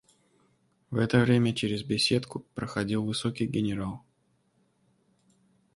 В это время через беседку проходил высокий генерал.